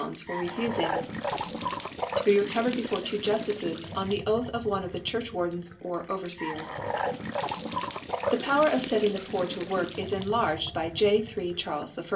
fof* refufihg, to be recovered before two Jfiftices, on the Oatli of one of the Churchwardens or Overfeers/ The Power of fetting the Poor to Work 15' enlarged by 3 f Charles I.